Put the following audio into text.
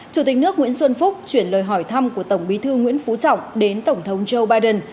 chủ tịch nước nguyễn xuân phúc chuyển lời hỏi thăm của tổng bí thư nguyễn phú trọng đến tổng thống joe biden